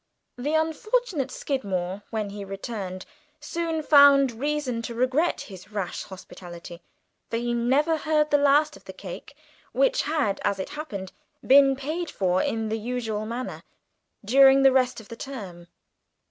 '" The unfortunate Skidmore, when he returned, soon found reason to regret his rash hospitality, for he never heard the last of the cake (which had, as it happened, been paid for in the usual manner) during the rest of the term.